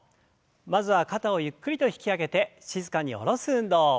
まずは肩をゆっくりと引き上げて静かに下ろす運動。